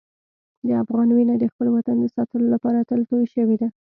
د افغان وینه د خپل وطن د ساتلو لپاره تل تویې شوې ده.